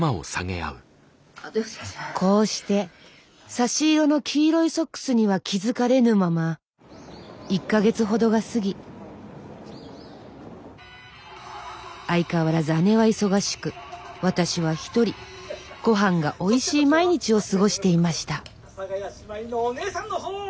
こうして差し色の黄色いソックスには気付かれぬまま１か月ほどが過ぎ相変わらず姉は忙しく私は一人ごはんがおいしい毎日を過ごしていました「阿佐ヶ谷姉妹のお姉さんの方！」。